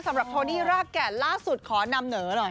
สำหรับโทนี่รากแกะล่าสุดขอนำเนื้อหน่อย